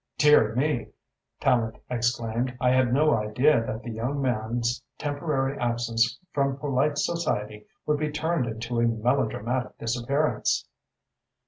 "Dear me!" Tallente exclaimed. "I had no idea that the young man's temporary absence from polite society would be turned into a melodramatic disappearance."